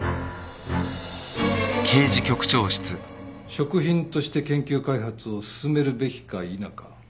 食品として研究開発を進めるべきか否か。